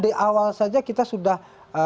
di awal saja kita sudah